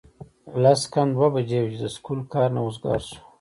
لس کم دوه بجې وې چې د سکول کار نه اوزګار شو